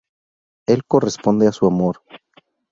Él corresponde a su amor.